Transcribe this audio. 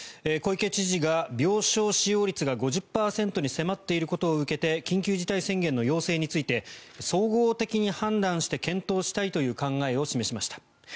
小池知事が病床使用率が５０％に迫っていることを受けて緊急事態宣言の要請について総合的に判断して検討したいという考えを示しました。